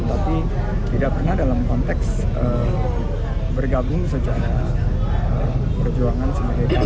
tapi tidak pernah dalam konteks bergabung sejauh perjuangan semerikatan